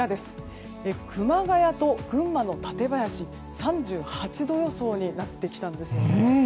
熊谷と群馬の舘林は３８度予想になってきたんですよね。